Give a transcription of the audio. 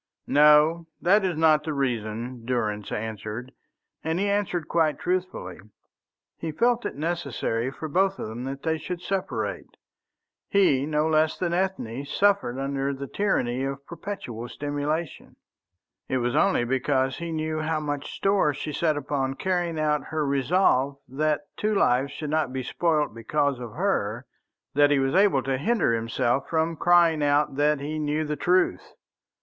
"No, that is not the reason," Durrance answered, and he answered quite truthfully. He felt it necessary for both of them that they should separate. He, no less than Ethne, suffered under the tyranny of perpetual simulation. It was only because he knew how much store she set upon carrying out her resolve that two lives should not be spoilt because of her, that he was able to hinder himself from crying out that he knew the truth.